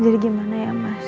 jadi gimana ya mas